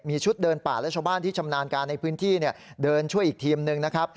มีชุดเดินป่าและชาวบ้านที่ชำนาญการในพื้นที่เดินช่วยอีกทีมหนึ่งนะครับ